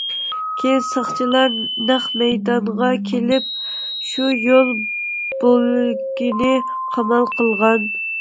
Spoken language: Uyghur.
كېيىن ساقچىلار نەق مەيدانغا كېلىپ شۇ يول بۆلىكىنى قامال قىلغان.